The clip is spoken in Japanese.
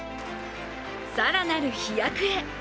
更なる飛躍へ。